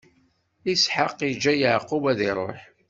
Isḥaq iǧǧa Yeɛqub ad iṛuḥ.